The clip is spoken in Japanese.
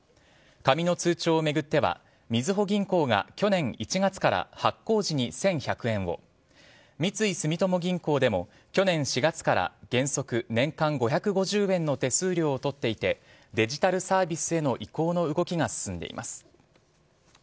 紙の通帳を巡ってはみずほ銀行が去年１月から発行時に１１００円を三井住友銀行でも去年４月から原則、年間５５０円の手数料を取っていてデジタルサービスへの移行の動きが進んでいます。